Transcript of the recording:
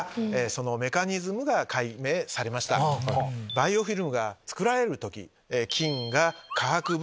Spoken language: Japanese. バイオフィルムが作られる時。